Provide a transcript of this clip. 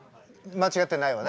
間違ってないわよ。